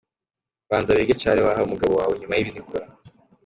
Banza wige care waha umugabo wawe nyuma bizikora.